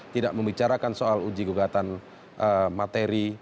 tidak membicarakan soal uji gugatan materi